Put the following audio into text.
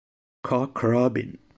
Cock Robin